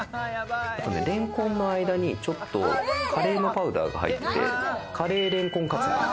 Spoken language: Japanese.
れんこんの間にちょっとカレーのパウダーが入って、カレーれんこんカツ。